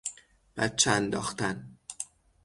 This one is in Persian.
بچه انداختن